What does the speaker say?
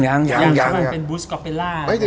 เป็นบุสกอเปลล่า